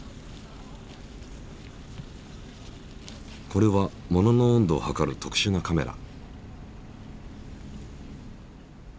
これは物の温度を測る特殊なカメラ。